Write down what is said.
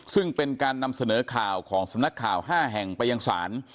ซึ่งเป็นการนำเสนอข่าวของสำนักข่าว๕แห่งไปยังศาล